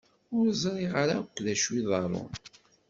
Ur ẓriɣ ara akk d acu iḍerrun.